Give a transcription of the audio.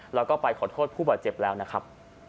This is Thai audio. แล้วก็ไปขอโทษผู้บาดเจ็บแล้วนะครับ